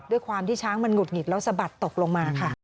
ด้วยความที่ช้างมันหุดหงิดแล้วสะบัดตกลงมาค่ะ